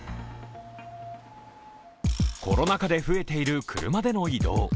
コロナ禍で増えている車での移動。